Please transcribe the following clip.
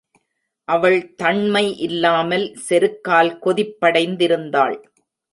அவள் தண்மை இல்லாமல் செருக்கால் கொதிப்படைந்திருந்தாள்.